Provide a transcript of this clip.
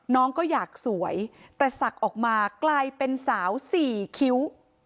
น้องก็อยากสวยแต่ศักดิ์ออกมากลายเป็นสาว๔คิ้ว